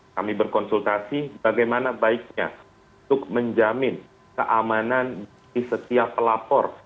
kami berkonsultasi bagaimana baiknya untuk menjamin keamanan di setiap pelapor